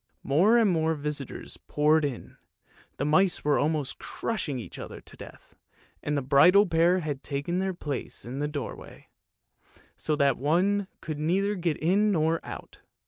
More and more visitors poured in, the mice were almost crushing each other to death, and the bridal pair had taken their place in the doorway, so that one could neither get in nor out.